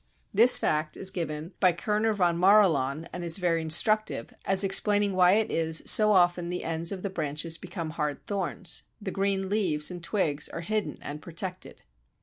This fact is given by Kerner von Marilaun (l.c., p. 445), and is very instructive, as explaining why it is that so often the ends of the branches become hard thorns: the green leaves and twigs are hidden and protected.